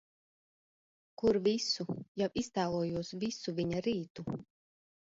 Kur visu. Jau iztēlojos visu viņa rītu.